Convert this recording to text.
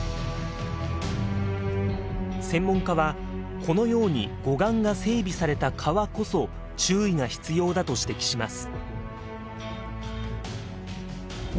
専門家はこのように護岸が整備された川こそ注意が必要だと指摘します。